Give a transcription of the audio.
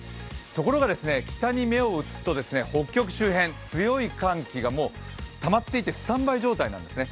ところが北に目を移すと北極周辺、強い寒気がたまっていてスタンバイ状態なんですね。